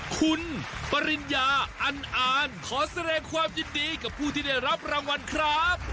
คุณปริญญาอันอ่านขอแสดงความยินดีกับผู้ที่ได้รับรางวัลครับ